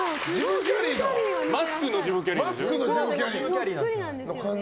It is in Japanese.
「マスク」のジム・キャリーだ。